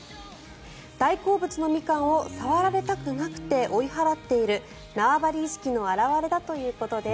大好物のミカンを触られたくなくて追い払っている縄張り意識の表れだということです。